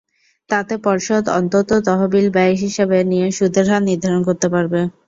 তাতে পর্ষদ অন্তত তহবিল ব্যয় হিসাবে নিয়ে সুদের হার নির্ধারণ করতে পারবে।